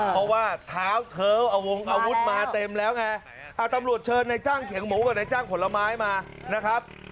เพราะว่าเท้าเธอเอาวงอาวุธมาเต็มแล้วไงตำรวจเชิญในจ้างเขียงหมูกับนายจ้างผลไม้มานะครับ